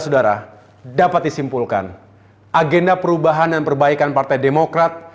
saudara dapat disimpulkan agenda perubahan dan perbaikan partai demokrat